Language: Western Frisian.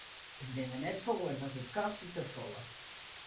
Ik bin der net foar want it kostet te folle.